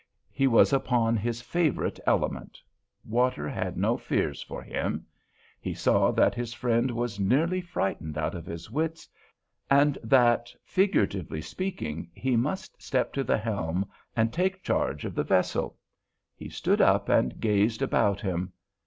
He was upon his favorite element; water had no fears for him. He saw that his friend was nearly frightened out of his wits, and that, figuratively speaking, he must step to the helm and take charge of the vessel. He stood up and gazed about him.